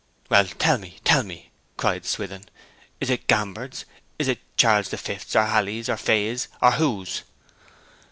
'Well, tell me, tell me!' cried Swithin. 'Is it Gambart's? Is it Charles the Fifth's, or Halley's, or Faye's, or whose?'